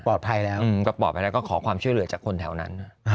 แล้วก็ปลอดภัยแล้วก็ขอความช่วยเหลือจากคนแถวนั้น